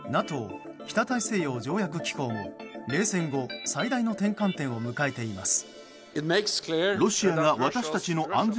ＮＡＴＯ・北大西洋条約機構も冷戦後、最大の転換点を迎えています。